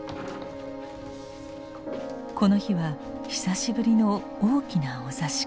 この日は久しぶりの大きなお座敷。